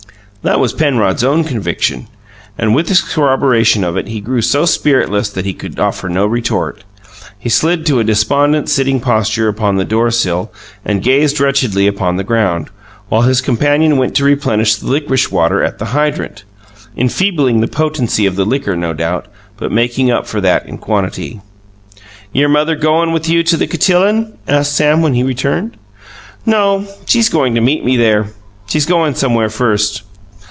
That was Penrod's own conviction; and with this corroboration of it he grew so spiritless that he could offer no retort. He slid to a despondent sitting posture upon the door sill and gazed wretchedly upon the ground, while his companion went to replenish the licorice water at the hydrant enfeebling the potency of the liquor no doubt, but making up for that in quantity. "Your mother goin' with you to the cotillon?" asked Sam when he returned. "No. She's goin' to meet me there. She's goin' somewhere first."